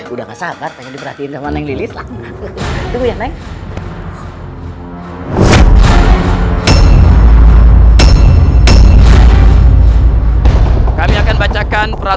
udah gak sabar pengen diperhatiin sama neng lilis lah